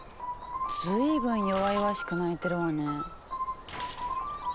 随分弱々しく鳴いてるわね。